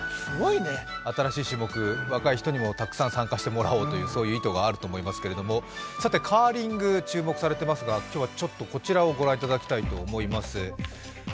新しい種目、若い人にもたくさん参加してもらおうという意図があると思いますけれども、カーリング、注目されていますが、今日はこちらを御覧いただきたいと思います。